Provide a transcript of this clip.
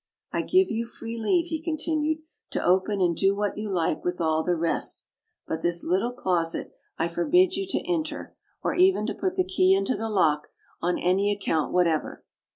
I give you free leave, "he continued, "to open and do what you like with all the rest; but this little closet I forbid, 72 OLD, OLD FAIR 7 TALES. you to enter, or even to put the key into the lock, on any account whatever.